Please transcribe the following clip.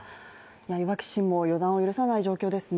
いわき市も予断を許さない状況ですね。